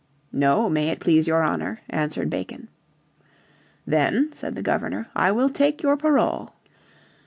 "No, may it please your honour," answered Bacon, "Then," said the Governor, "I will take your parole."